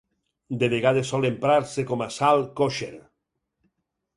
De vegades sol emprar-se com a sal kosher.